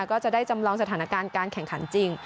ก็จะได้จำลองสถานการณ์การแข่งขันจริง